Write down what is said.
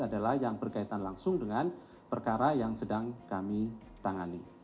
adalah yang berkaitan langsung dengan perkara yang sedang kami tangani